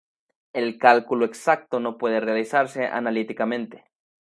El cálculo exacto no puede realizarse analíticamente.